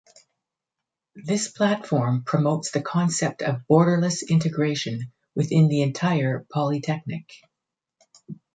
This platform promotes the concept of borderless integration within the entire Polytechnic.